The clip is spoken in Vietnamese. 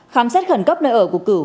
khám xét khẩn cấp nơi ở cuộc cử